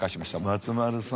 松丸さんは。